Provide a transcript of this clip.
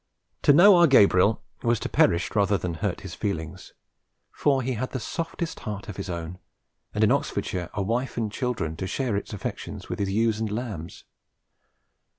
To know our Gabriel was to perish rather than hurt his feelings; for he had the softest heart of his own, and in Oxfordshire a wife and children to share its affections with his ewes and lambs.